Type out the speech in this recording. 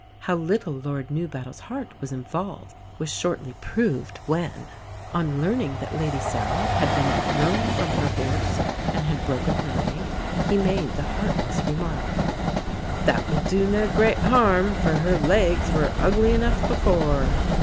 How little Lord Newbattle's heart was involved was shortly proved when, on learning that Lady Sarah had been thrown from her horse and had broken her leg, he made the heartless remark, "That will do no great harm, for her legs were ugly enough before!"